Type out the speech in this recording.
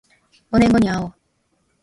五年後にあおう